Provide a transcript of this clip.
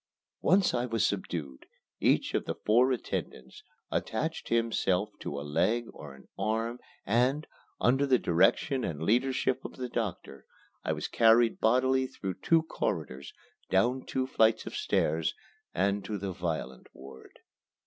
Once I was subdued, each of the four attendants attached himself to a leg or an arm and, under the direction and leadership of the doctor, I was carried bodily through two corridors, down two flights of stairs, and to the violent ward.